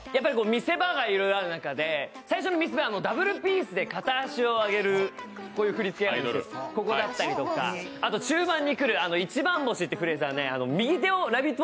見せ場がいろいろある中で最初の見せ場はダブルピースで片足を上げるこういう振り付けがあるんですけど、ここだったりとかあと、終盤に来る、一番星っていうフレーズでは右手をラヴィット！